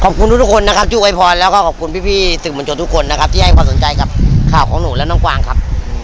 ขอบคุณทุกคนนะครับที่อวยพรแล้วก็ขอบคุณพี่สื่อมวลชนทุกคนนะครับที่ให้ความสนใจกับข่าวของหนูและน้องกวางครับ